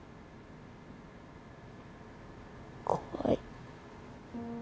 怖い。